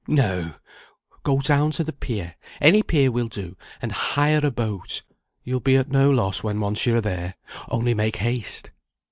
No; go down to the pier, any pier will do, and hire a boat, you'll be at no loss when once you are there. Only make haste."